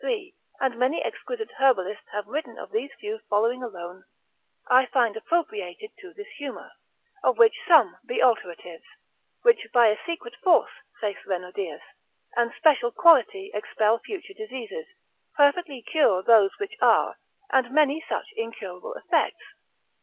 3, and many exquisite herbalists have written of, these few following alone I find appropriated to this humour: of which some be alteratives; which by a secret force, saith Renodeus, and special quality expel future diseases, perfectly cure those which are, and many such incurable effects.